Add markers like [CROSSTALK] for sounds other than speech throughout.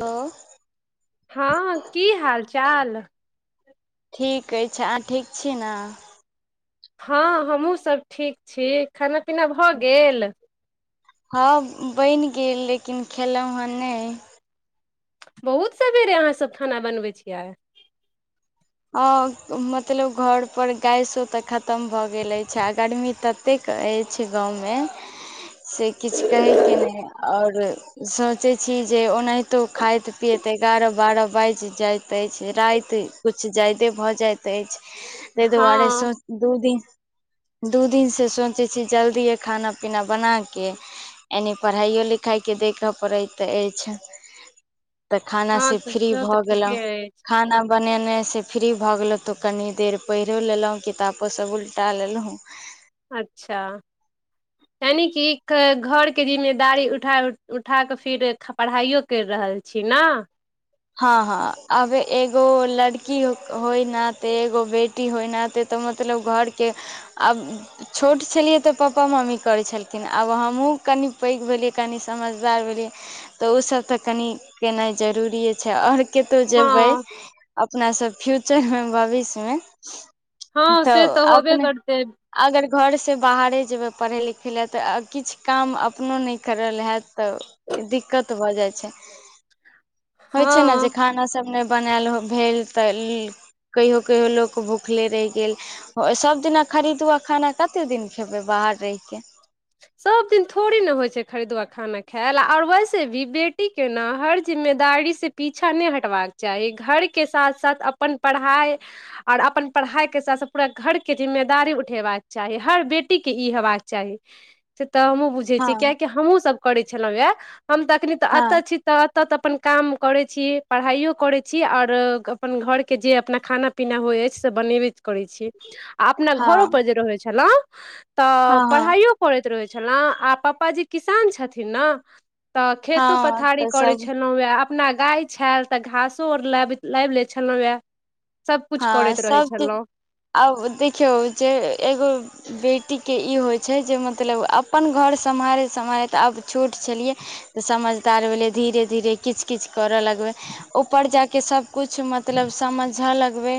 Hello हँ की हाल चाल ठीक अछि अहाँ ठीक छी न हँ हमहूँ सभ ठीक छी खाना पीना भऽ गेल हँ बनि गेल लेकिन खेलौं हन नय बहुत सवेरे अहाँसभ खाना बनबै छियै हँ मतलब घर पर गैसो तऽ खतम भऽ गेल अछि आ गर्मी तऽ केतेक अछि गाँवमे से किछु कहैके नय आओर सोचैत छी जे ओनाहितो खाइत पियैत एगारह बारह बाजि जाइत अछि राति कुछु जायदे भऽ जाइत अछि तै दुआरे हँ सोंच दू दिन दू दिनसँ सोचै छी जल्दीए खाना पीना बनाके एनि पढ़ाइओ लिखाइके देख पड़ैत अछि तऽ खाना हँ से तऽ फ्री तऽ भऽ गेलौं ठीके अछि खाना बनेने से फ्री भऽ गेलौं तऽ कनि देर पढ़ियो लेलौं किताबो सभ उल्टा लेलौं अच्छा [INAUDIBLE] यानि कि घर के जिम्मेवारी उठा- उठाके फीर पढ़ाइयो करि रहल छी न हँ हँ आब एगो लड़की होय नाते एगो बेटी टी होइ नाते तऽ मतलब घरके आब छोट छेलियै तऽ पापा मम्मी करै छेलखिन आब हमहूँ कनि पैघ भेलियै कनि समझदार भेलियै तऽ उसभ तऽ कनि केनाइ जरूरीये छै आओर केतौ जेबै हँ अपनासभ फ्यूचरमे भविष्यमे हँ से तऽ होबे अपने करतै अगर घरसै बाहरे जेबै पढ़ै लिखै ले तऽ किछु काम अपनो नय करल हैत तऽ दिक्कत भऽ जाइ छै। होइ छै न जे हँ खाना सब नै बनैल भेल तऽ ली कहियो- कहियो लोक भुखले रैह गेल सबदिना खरीदुआ खाना कतेक दिन खेबै बाहर रैह केँ। सबदिन थोड़े नै होइ छै खरीदुआ खाना खैल और वैसे भी बेटी केना हर जिम्मेदारी से पीछा नै हटबाक चाही घर केँ साथ साथ अपन पड़हाय और अपन पड़हाय केँ साथ साथ पूरा घर केँ जिम्मेदारी उठेबाक चाही हर बेटी केँ ई हेबाक चाही से तऽ हमहुँ बुझैत छी हँ कियकि हमहुँ सब करैत छेलौ यऽ हम तऽ अखनी तऽ अत हँ छी तऽ अत तऽ अपन काम करै छी पड़हाइयो करे छी और अपन घर कें जें अपना खाना पीना होइ ऐछ से बनेबे करैछी आ अपना घरो हँ पर जे रहै छलौ तऽ हँ हँ पड़हाइयो रहै छलों आ पापाजी किसान छथिन न तऽ हँ खेतो-पथारी तऽ करैत सब छलौ ए अपना गाय छैल तऽ घासो आर लाबैत लाइब लै छलौ ए सब कुछ करैत रहै छलौ। औब देखेयो जें एगो बेटी केँ ई होइत छै जें मतलब अपन घर सम्हारैत-सम्हारैत अब छोट छलियै। तऽ समझदार भेलैय धीरे धीरे किछ किछ कर लगबैय ऊपर जा केँ सब कुछ मतलब समझ लग बै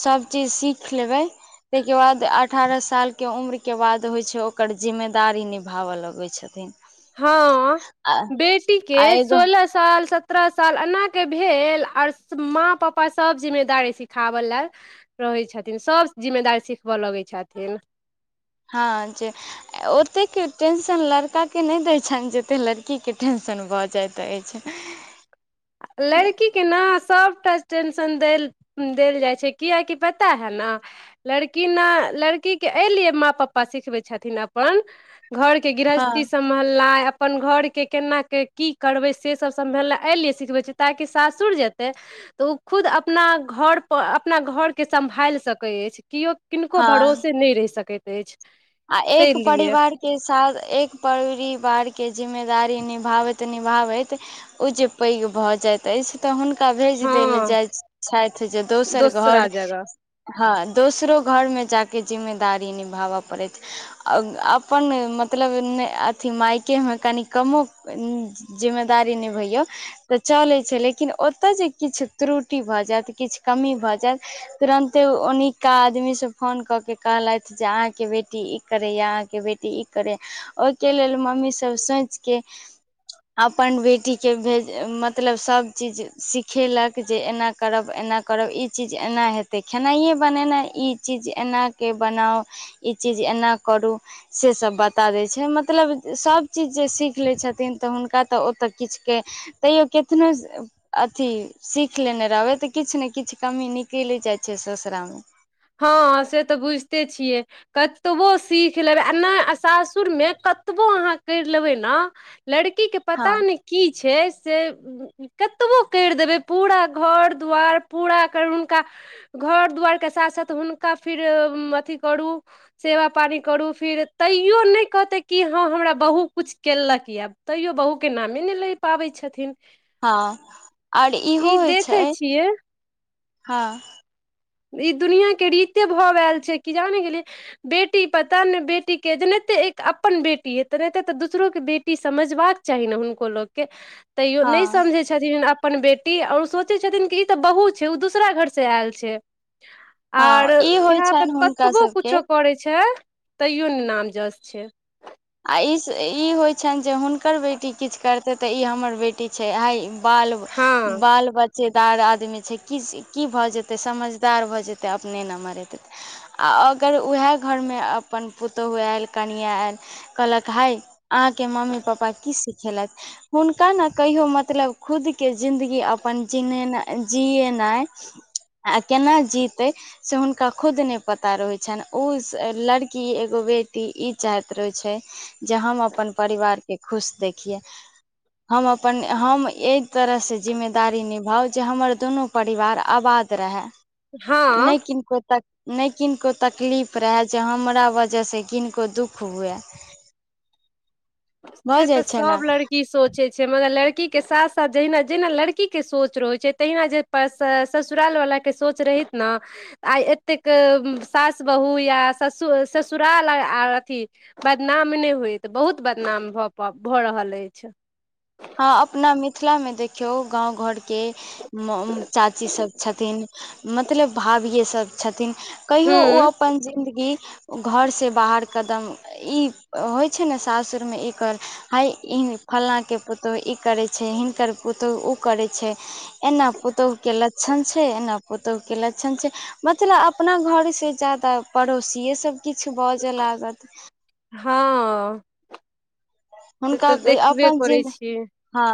सब चीज सीख लेबै तैय केँ बाद अठारह साल केँ उम्र केँ बाद होइ छै ओकर जिम्मेदारी निभाब लगै छथिन। हऽ आ बेटी आ केँ एगो सोलह साल सत्तरह साल अना केँ भेल अस माँ - पप्पा सब जिम्मेदारी सिखाब ले रहै छथिन सब जिम्मेदारी सिखब लगै छथिन। हऽ जें ओतेक टेंशन लड़का केँ नै दैत छैन जते कऽ लड़की केँ टेंशन भऽ जाइत ऐछ लड़की केँ न सबटा टेंशन देल देल जाइ छै किआकि पता है न लड़की न लड़की केँ यै लिए माँ पप्पा सिखबै छथिन अपन घर केँ गृहस्थी हँ सम सम्हलनै अपन घर केँ केना की करबै से सब सम्हलनै यै लेल सिखबै ताकि सासुर जेतै तऽ ओ खुद अपना घर प अपना घर केँ सम्भाइल सकै ऐछ किओ किनको हँ भरोसें नै रैह सकै ऐछ [INAUDIBLE] तैय लिये केँ साथ एक परिवार केँ जिम्मेदारी निभाबैत- निभाबैत ओ जे पैघ भऽ जाइत ऐछ। तऽ हुनका भेज देल हँ जाइत छथि जे दोसर दोसरा घर जगह हँ दोसरों घर में जा केँ जिम्मेदारी निभाब पड़ैत अपन मतलब अथी मायकेँ में कनि कमो जिम्मेदारी निभैयौं तऽ चलै छैय लेकिन ओ तऽ जे किछ त्रुटि भऽ जाइत किछ कमी भऽ जै तुरन्ते ओनिका आदमी सब फोन कऽ केँ कहलैथ जे अहाँकेँ बे - टी ई करै या अहाँकेँ बेटी ई करै ओइकेँ लेल मम्मी सब सोच केँ अपन बेटी केँ भेज मतलब सब चीज सिखेलक जे एना करब एना करब ई चीज एना हेतै खेनाइये बनेनाइ ई चीज एना केँ बनाउ ई ई चीज एना करूँ सेसब बता दैत छैय मतलब सबचीज जे सीख लै छथिन त हुनका त ओत किछ के तैयो केतनो अथी सीख लेने रहबै तऽ किछ ने किछ कमी निकेलै जाइ छै ससुरा मे हँ से तऽ बुझते छियै कतबो सीख लेबै आ नय सासुरमे कतबो अहाँ कैर लेबै ने लड़की के हँ पता नै की छै से कतबो कैर देबै पूरा घर दुवार पूरा कर हुनका घर दुवार के साथ साथ हुनका फिर अथी करू सेवा पानी करू फेर तैयो नय कहतै कि हँ हमरा बहु किछ कैलक य तैयो बहु के नामे नय लै पाबै छथिन हँ ओर इहो ई होइ छै देखै छियै हँ ई दुनिया के रीते भाव आयल छै कि जाने गेलिय बेटी पता नय बेटी के जे नहिते एक अपन बेटी है तै नहिते तऽ दूसरो के बेटी समझबाक चाही न हुनको लोकके तैयो हँ नय समझै छै छथिन अपन बेटी आर ओ सोचै छथिन कि ई तऽ बहुू छै ओ दूसरा घरसँ आयल छै हँ आर ई होइ यहा पे छनि हुनका कतबो सबके कुछो करे छै तैयो ने नाम जस छै आ ई ई होइ छैन जे हुनकर बेटी किछ करते तऽ ई हमर बेटी छै आई बाल हँ बाल बच्च च्चेदार आदमी छै की की भऽ जेतै समझदार भऽ जेतै अपने नमहर हेते तऽ आ अगर उएह घरमे अपन पुतोह ऐल कनिआँ ऐल कहलक हइ अहाँके मम्मी पपा की सिखेलेथ हुनका ने कहियो मतलब खुदके जिन्दगी अपन जिनाइ जियिएनाइ आ केना जीतै से हुनका खुद नय पता रहै छैन ओ लड़की एगो बेटी ई चाहैत रहै छै जे हम अपन परिवारके खुश देखियै हम अपन हम ऐय तरहसँ जिम्मेदारी निभाउ जे हमर दुनू परिवार आबाद रहै हँ नय किनको तक नय किनको तकलीफ रहय जे हमरा वजहसँ किनको दुःख हुअए [INAUDIBLE] से तऽ जाइ छै सब ने लड़की सोच प मगर लड़की के साथ साथ जहिना जेहिना लड़की के सोच रहैत छै तहिना जे ससुराल वाला के सोच रहित न आय एतेक सास बहू या ससु ससुराल अथी बदनाम नय होय तऽ बहुत बदनाम भ भऽ रहल ऐछ हँ अपना मिथिला मे देखियौ गाँव घर के चाची सब छथिन मतलब भाभिये सब छथिन कहियो ओ हूँ अपन जिन्दगी घर से बाहर कदम ई होइ छै ने सासुर मे ई कर हइ ईने फलाँ के पुतोह ई करै छै हिनकर पुतोह उ करै छै एना पुतोह के लक्षन छै एना पुतोह के लक्षन छै मतलब अपना घर से ज्यादा पड़ोसिएसब किछ बज लागत हँ से हुनका तऽ देखबे अपन करै जिन छियै हँ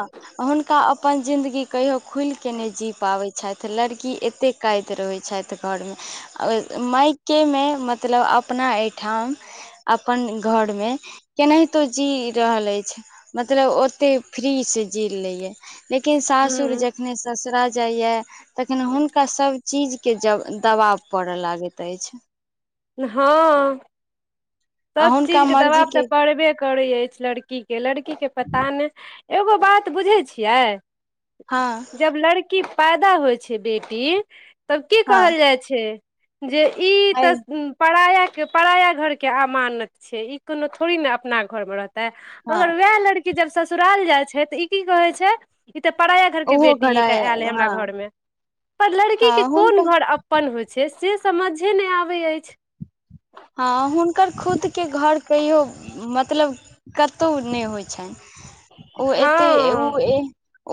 हुनका अपन जिंदगी कहियो खुल के नय जी पाबै छैथ लड़की एतेक कैद रहै छैथ घर मे मायके मे मतलब अपना एयठाम अपन घर मे केनाहितो जी रहल अछि मतलब ओते फ्री सँ जी लैए य लेकिन सासुर हूँ जखने ससुरा जाइये तखन हुनका सभ चीज के ज दबाब पड़य लागैत अछ हँ आ सब हुनका चीज के दबाब तऽ मर्जीके परबे करै अछि लड़की के लड़की के पता नय एगो बात बुझैत छियै हँ जब लड़की पैदा होइ छै बेटी तखन की हँ कहल जाइ छै जे ई हय तऽ पराया के पराया घर के अमानत छै ई कोनो थोड़ी ने अपना घर में रहत त हँ मगर वएह लड़की जब ससुराल जाइ छै तऽ ई की कहै छै ई तऽ पराया घर के ओहो घड़ा बेटीे आयल है हमरा हँ घर में पर लड़की के हँ कोन हुनका घर अप अप्पन होइ छै से समझे नै आबै ऐच हँ हुनकर खुद के घर कहियो मतलब कतहु नय होइ छनि ओ हँ एते उ ए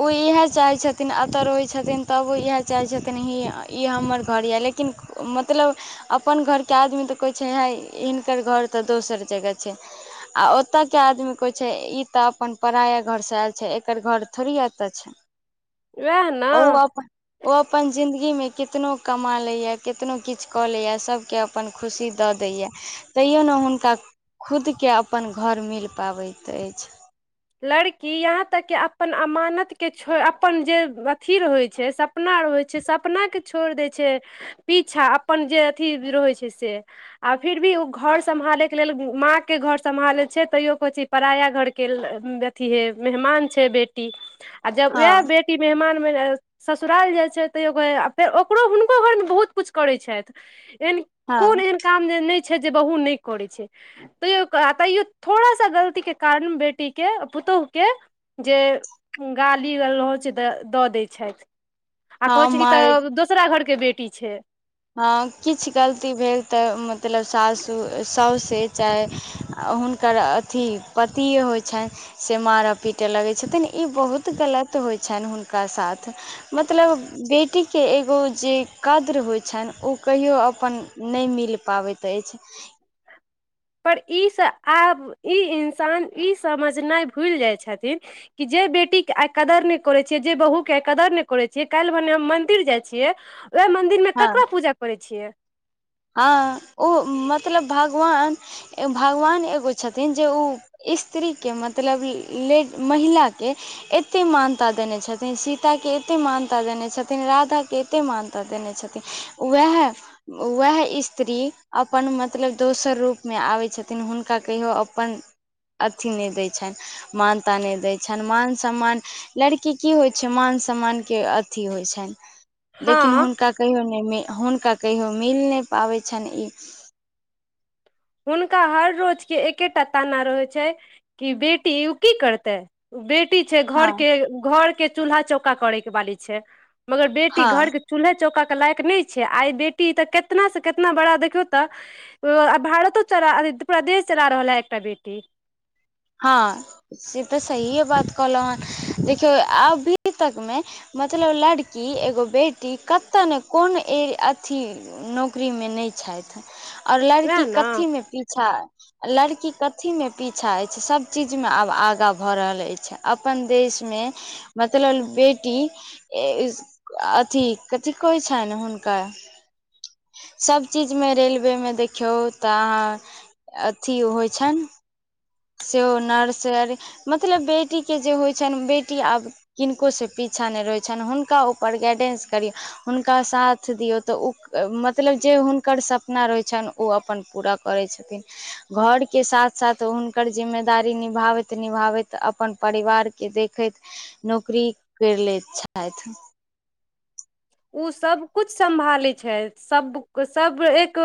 ओ इएह चाहै छथिन अतऽ रहै छथिन तबो इएह चाहै छथिन ई हमर घर यऽ लेकिन मतलब अपन घर के आदमी तऽ कहय छनि हिनकर घर तऽ दोसर जगह छै आ ओत के आदमी छै ई तऽ अपन पराया घर सँ आयल छै एकर घर थोड़ी एतऽ छै वेह न ओ अपन ओ अपन जिन्दगी मे केतनो कमा लैएा केतनो किछ कऽ लैएा सबके अपन खुशी दऽ दैये तैयो ने हुनका खुदके अपन घर मिल पाबैत ऐछ लड़की यहां तक कि अपन अमानत के छोरि अपन जे अथी रहैत छै सप सपना रहै छै सपना के छोड़ि दै छै पीछा अपन जे अथी रहै छै से आ फिर भी उ घर सम्हाले के लेल माँ के घर सम्हाले छै तैयो कहै छै पराया घर के अथी हे मेहमान छै बेटी आ जब हँ वेह बे बेटी मेहमान मे ससुराल जाइ छै तैयो फेर ओकरो हुनको घर मे बहुत कुछ करै छथि एन हँ कोन एहन काम जे नय छै जे बहु नय करै छै तैयो तैयो थोड़ा सा गलती के कारन बेटी के पुतोहु के जे गाली गलोछै दऽ दै छथ आ कहैत छै कि हमर तऽ दोसरा घर के बेटी छै ह किछ गलती भेल तऽ मतलब सासू साउसे चाहे हुनकर अथी पतिए होइ छैन से मारय पीटय लगैत छथिन ई बहुत गलत होइ छनि हुनका साथ मतलब बेटी के एगो जे कद्र होइ छै छन ओ कहियो अपन नय मिल पाबैत अछ पर इ स आब इ इन्सान इ समझनाय भूलि जाय छथिन कि जे बेटीके आय कदर नय करैत छियै जे बहुके आय कदर नय करैत छियै काल्हि भने हम मंन्दिर जाइत छियै वेह मंदिर मे हँ ककरा पूजा करै छियै हँ ओ मतलब भगवान भगवान एगो छथिन जे उ स्त्री के मतलब ले महिला के एते मानता देने छथिन सीता के एते मानता देने छथिन राधा के ए एते मानता देने छथिन वेह वेएह स्त्री अपन मतलब दोसर रूपमे आबै छथिन हुनका कहियो अपन अथि नहि दै छनि मानता नहि दै छनि मान सम्मान लड़की की होइ छै मान सम्मान के अथी होय छनि लेकिन हँ हुनका कहियो नहि हुनका कहियो मिल नहि पाबै छनि इ हुनका हर रोजके एकेटा ताना रहै छै कि बेटी उ की करतै बेटी छै घर हँ के घर के चूल्हा चौका करे के बाली छै मगर बेटी हँ घर के चूल्हा चौका के लायक नहि छै आइ बेटी त केतना से केतना बड़ा देखियौ त भारतो चला पुरा देश चला रहल है एकटा बेटी हँ से त सहिए बात कहलहुँ हे देखियौ अभी तक मे मतलब लड़की एगो बेटी कतय ने कोन ए अथी नौकरी मे नय छथि आओर वएह लड़की ने कथी मे पीछा लड़की कथी मे पीछा ऐत सब चीज मे आब आगाँ भ रहल अछि अपन देश मे मतलब बेटी ए इस अथी कथि कोहै छनि हुनकर सभ चीज मे रेलवेमे देखियौ त अहाँ अथी होइ छनि सेहो नर्स मतलब बेटी के जे होइत छनि बेटी आब किनको से पीछा नहि रहैत छनि हुनका ऊपर गाइडेंस करियौ हुनका साथ दियौ त ओ मतलब जे हुनकर सपना रहैत छनि ओ अपन पूरा करै छथिन घर के साथ साथ हुन एकर जिम्मेदारी निभाबैत निभाबैत अपन परिवार के देखैत नौकरी कैर लैत छथि उ सब कुछ सम्भालै छै सब सब एक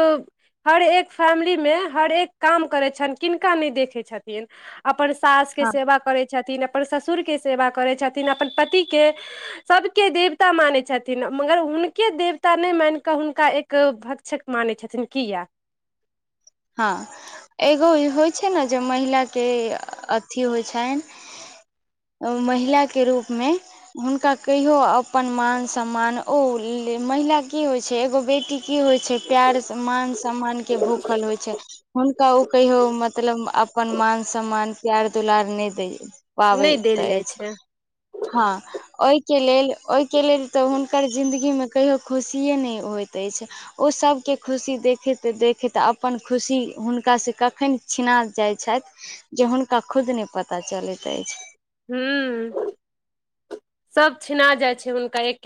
हर एक फैमिली मे हर एक काम करे छैन किनका नहि देखय छथिन अपन सास के हँ सेवा करै छथिन अपन ससुर के सेवा करै छथिन अपन पति के सबके देवता माने छथिन न मगर हुनके देवता नहि मान क हुनका एक भक्षक मानै छथिन किया हँ एगो होइ छै ने जे महिला के अथि होइ छनि महिला के रूप मे हुनका कहियो अपन मान सम्मान ओ महिला की होइत छै एगो बेटी की होय छै प्यार मान सम्मान के भूखल होय छै हुनका ओ कहियो मतलब अपन मान सम्मान प्यार दुलार नहि दै नहि पाबैत देल जाइ अछि छै हँ ओय के लेल ओय के लेल त हुनकर जिन्दगी मे कहियो खुशिए नहि होइत अछि ओ सबके खुशी देखैत देखैत अपन खुशी हुनका सँ कखन छिना जाइ छथि जे हुनका खुद नहि पता चलैत अछि हूँ सब छिना जाइ छै हुनका एके